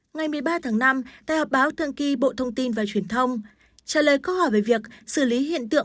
ngày một mươi ba tháng năm tại hợp báo thương kỳ bộ thông tin và truyền thông trả lời có hỏi về việc xử lý hiện tượng